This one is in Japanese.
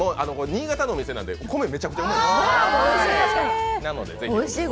新潟のお店なんで、御飯もめちゃくちゃうまいです。